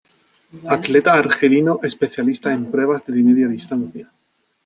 Atleta argelino especialista en pruebas de media distancia.